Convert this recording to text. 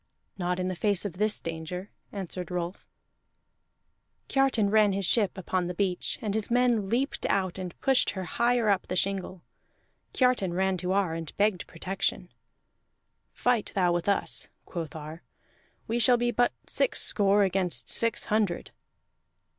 "Not in the face of this danger," answered Rolf. Kiartan ran his ship upon the beach, and his men leaped out and pushed her higher up the shingle. Kiartan ran to Ar, and begged protection. "Fight thou with us," quoth Ar. "We shall be but six score against six hundred."